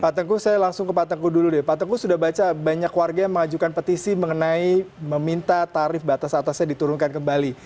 pak tengku saya langsung ke pak tengku dulu deh pak tengku sudah baca banyak warga yang mengajukan petisi mengenai meminta tarif batas atasnya diturunkan kembali